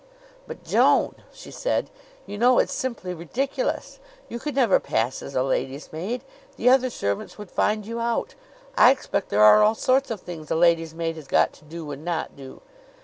"But, Joan," she said, "you know it's simply ridiculous. You could never pass as a lady's maid. The other servants would find you out. I expect there are all sorts of things a lady's maid has got to do and not do."